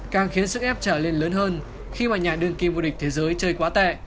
càng khiến sức ép trở lên lớn hơn khi mà nhà đương kim vô địch thế giới chơi quá tệ